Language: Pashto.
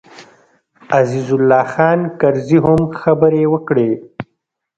عزیز الله خان کرزي هم خبرې وکړې.